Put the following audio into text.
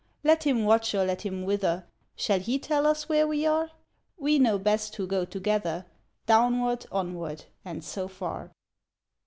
Let him watch or let him wither, — Shall he tell us where we are? We know best who go together, Downward, onward, and so far."